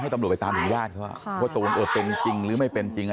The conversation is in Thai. ให้ตำรวจไปตามอยู่ได้คือว่าโทษตัวตำรวจเป็นจริงหรือไม่เป็นจริง